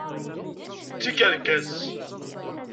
D tikerkas!